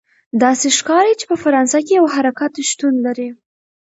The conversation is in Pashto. داسې ښکاري چې په فرانسه کې یو حرکت شتون لري.